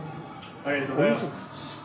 ありがとうございます。